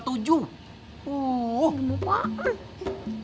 uhhh mau apaan